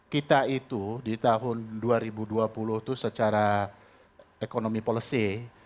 kita itu di tahun dua ribu dua puluh itu secara ekonomi policy